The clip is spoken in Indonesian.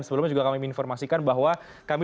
sebelumnya juga kami menginformasikan bahwa kami